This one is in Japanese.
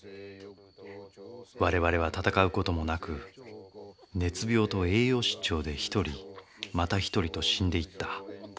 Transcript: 我々は戦う事もなく熱病と栄養失調で一人また一人と死んでいった。